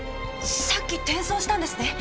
さっき転送したんですね？